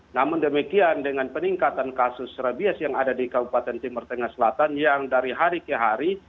namun demikian dengan peningkatan kasus rabies yang ada di kabupaten timur tengah selatan yang dari hari ke hari